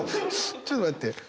ちょっと待って。